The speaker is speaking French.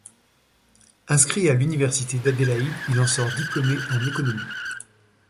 Inscrit à l'université d'Adélaïde, il en sort diplômé en économie.